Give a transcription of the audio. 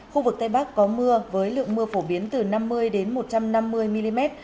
khu vực tây bắc có mưa với lượng mưa phổ biến từ năm mươi một trăm năm mươi mm